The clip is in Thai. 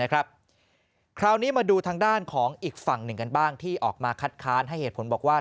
คราวนี้มาดูทางด้านของอีกฝั่งหนึ่งกันบ้างที่ออกมาคัดค้านให้เหตุผลบอกว่า